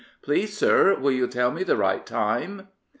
Please, sir, will you tell me the right time?